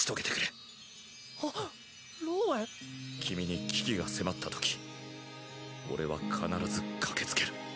君に危機が迫ったとき俺は必ず駆けつける。